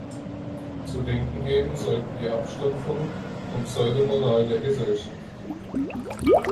Zu denken geben sollten die Abstumpfung und Pseudo-Moral der Gesellschaft.